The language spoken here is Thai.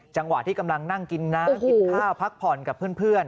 จังหวะที่กำลังนั่งกินน้ำกินข้าวพักผ่อนกับเพื่อน